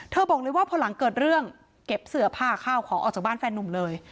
บอกเลยว่าพอหลังเกิดเรื่องเก็บเสื้อผ้าข้าวของออกจากบ้านแฟนนุ่มเลย